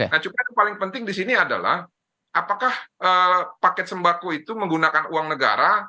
nah cuma yang paling penting di sini adalah apakah paket sembako itu menggunakan uang negara